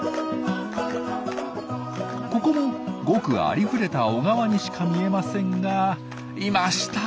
ここもごくありふれた小川にしか見えませんがいました！